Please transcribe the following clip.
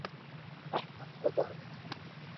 احمد بد عادت لري.